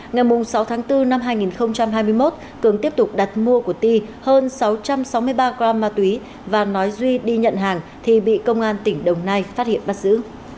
ngày sáu tháng bốn năm hai nghìn hai mươi một cường tiếp tục đặt mua của ti hơn sáu trăm sáu mươi ba gram ma túy và nói duy đi nhận hàng thì bị công an tỉnh đồng nai phát hiện bắt giữ